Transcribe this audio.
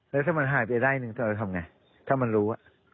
แล้วถ้ามันหายไปได้หนึ่งถ้าเราทำไงถ้ามันรู้